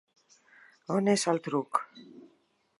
On és el truc?